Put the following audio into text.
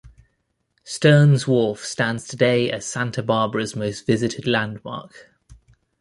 Stearns Wharf stands today as Santa Barbara's most visited landmark.